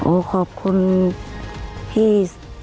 โอ้ขอบคุณพี่